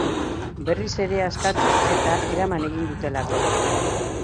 Berriz ere askatu eta eraman egin dutelako.